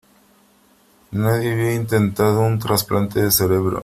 Nadie había intentado un trasplante de cerebro